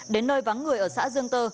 đến nơi vắng người ở xã dương tơ